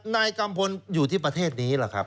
นายกัมพลอยู่ที่ประเทศนี้แหละครับ